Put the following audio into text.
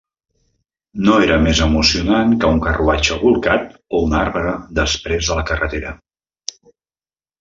No era més emocionant que un carruatge bolcat o un arbre desprès a la carretera.